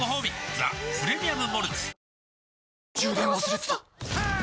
「ザ・プレミアム・モルツ」